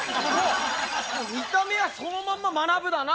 見た目はそのまんままなぶだな！